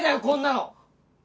こんなの！